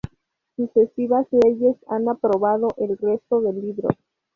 Sucesivas leyes han aprobado el resto de libros.